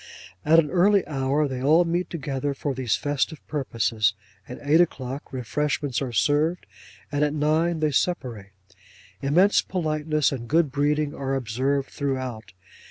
At an early hour they all meet together for these festive purposes; at eight o'clock refreshments are served; and at nine they separate. Immense politeness and good breeding are observed throughout.